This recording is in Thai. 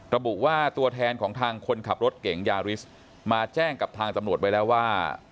ระบุว่าตัวแทนของทางคนขับรถเก่งยาริสมาแจ้งกับทางตำรวจไว้แล้วว่า